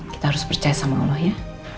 kita harus percaya sama allah ya